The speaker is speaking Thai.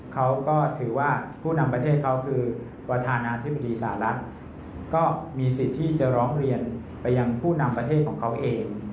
เขาก็ถือว่าผู้นำประเทศเขาคือประธานาธิบดีสหรัฐก็มีสิทธิ์ที่จะร้องเรียนไปยังผู้นำประเทศของเขาเอง